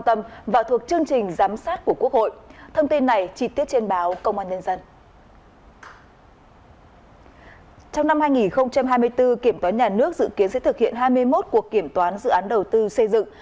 sẽ thực hiện hai mươi một cuộc kiểm toán dự án đầu tư xây dựng